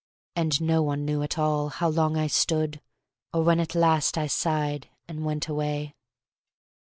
And no one knew at all How long I stood, or when at last I sighed and went away.